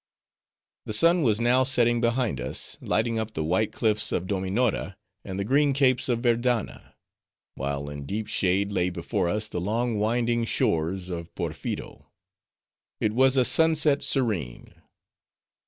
The sun was now setting behind us, lighting up the white cliffs of Dominora, and the green capes of Verdanna; while in deep shade lay before us the long winding shores of Porpheero. It was a sunset serene.